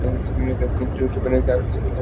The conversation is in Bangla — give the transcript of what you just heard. তিনি ত্রয়োদশ বেনেডিক্টকে আর সমর্থন না করেন।